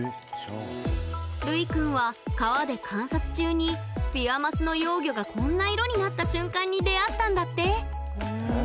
るいくんは川で観察中にビワマスの幼魚がこんな色になった瞬間に出会ったんだって！